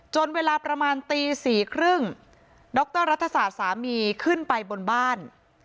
เวลาประมาณตี๔๓๐ดรรัฐศาสตร์สามีขึ้นไปบนบ้าน